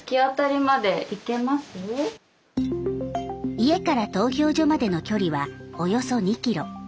家から投票所までの距離はおよそ２ｋｍ。